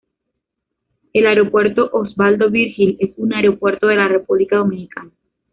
El Aeropuerto Osvaldo Virgil es un aeropuerto de la República Dominicana.